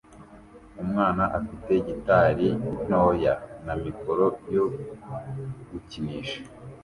Umwana afite gitari ntoya na mikoro yo gukinisha